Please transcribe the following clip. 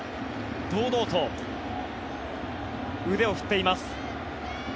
堂々と腕を振っています。